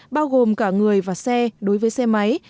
bao gồm cả người và xe máy